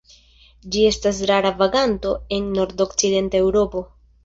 Ĝi estas rara vaganto en nordokcidenta Eŭropo.